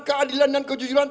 keadilan dan kejujuran